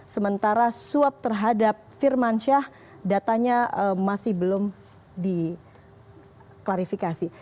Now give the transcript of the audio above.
sementara suap terhadap firmansyah datanya masih belum diklarifikasi